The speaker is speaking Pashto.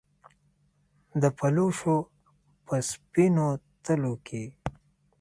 د پلوشو په سپینو تلو کې